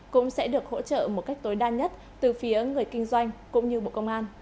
cũng sẽ được hỗ trợ một cách tối đa nhất từ phía người kinh doanh cũng như bộ công an